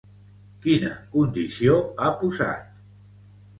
Quina condició ha posat?